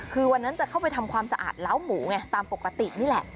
คือวันนั้นจะเข้าไปทำความสะอาดเล้าหมูไงตามปกตินี่แหละ